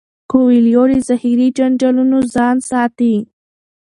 کویلیو له ظاهري جنجالونو ځان ساتي.